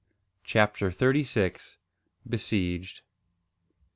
CHAPTER THIRTY SIX. BESIEGED.